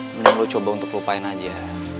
mending lo coba untuk lupain aja